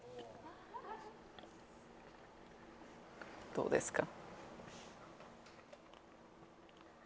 どうですか？